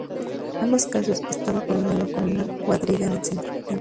En ambos casos, estaba coronado con una cuadriga en el centro.